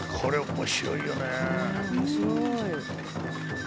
面白い。